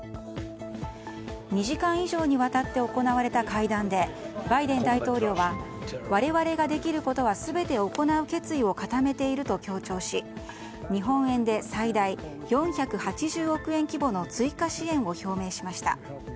２時間以上にわたって行われた会談でバイデン大統領は我々ができることは全て行う決意を固めている強調し日本円で最大４８０億円規模の追加支援を表明しました。